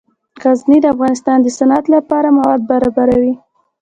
غزني د افغانستان د صنعت لپاره مواد برابروي.